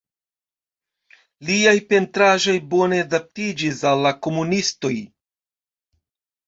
Liaj pentraĵoj bone adaptiĝis al la komunistoj.